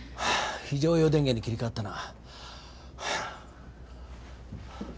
非常用電源に切り替わったな。